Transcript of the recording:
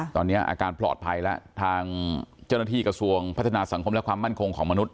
ตอนนี้อาการปลอดภัยแล้วทางเจ้าหน้าที่กระทรวงพัฒนาสังคมและความมั่นคงของมนุษย